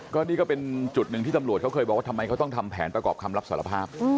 ก็นี่ก็เป็นจุดหนึ่งที่ตำรวจเขาเคยบอกว่าทำไมเขาต้องทำแผนประกอบคำรับสารภาพ